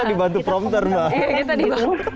kita dibantu prompter mbak